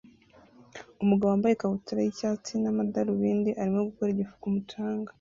Umugabo wambaye ikabutura y'icyatsi n'amadarubindi arimo gukora igifu ku mucanga